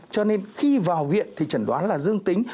cho nên khi vào viện thì chẩn đoán là dương tính